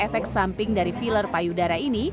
efek lain mbak bersuai ini